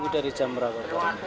dari jam berapa